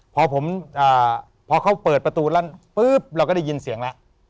พอผมพอเขาเปิดประตูแล้วปุ๊บเราก็ได้ยินเสียงแล้ว